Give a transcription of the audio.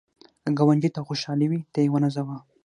که ګاونډي ته خوشحالي وي، ته یې ونازوه